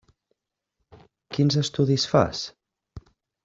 Quins estudis fas?